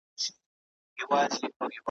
ښکلې لکه ښاخ د شګوفې پر مځکه ګرځي `